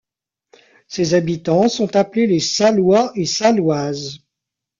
Ses habitants sont appelés les Sallois et Salloises.